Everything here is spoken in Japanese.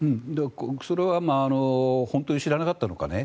それは本当に知らなかったのかね